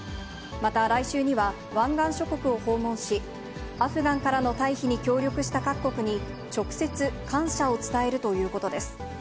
また来週には、湾岸諸国を訪問し、アフガンからの退避に協力した各国に直接、感謝を伝えるということです。